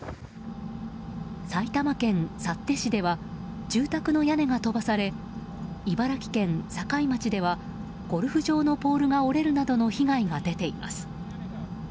埼玉県幸手市では住宅の屋根が飛ばされ茨城県境町ではゴルフ場のポールが折れるなどの被害が出ています。